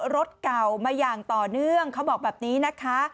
เรื่องเขาบอกแบบนี้นะคะ